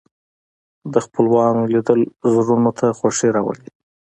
د خپلوانو لیدل زړونو ته خوښي راولي